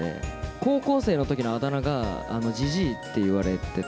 高校生のときのあだ名がジジイって言われてた。